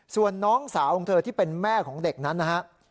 ส่วนน้องสาวของเธอที่เป็นแม่ของเด็กนั้นนะฮะ